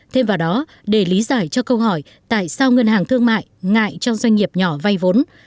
thêm vào đó để lý giải cho câu hỏi tại sao ngân hàng thương mại ngại cho doanh nghiệp nhỏ vay vốn